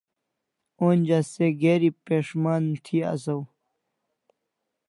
Onja se geri pes'man thi asaw